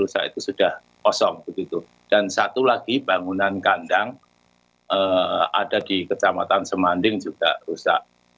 rusak itu sudah kosong begitu dan satu lagi bangunan kandang ada di kecamatan semanding juga rusak